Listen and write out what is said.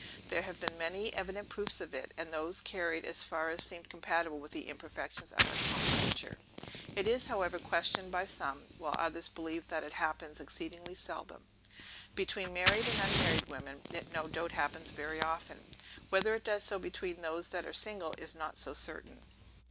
There have been many evident proofs of it, and those carried as far as seemed compatible with the imperfections of our common nature. It is, however, questioned by some; while others believe that it happens exceedingly seldom. Between married and unmarried women, it no doubt happens very often; whether it does so between those that are single, is not so certain.